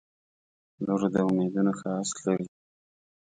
• لور د امیدونو ښایست لري.